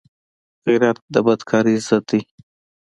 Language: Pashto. غیرت د بدکارۍ ضد دی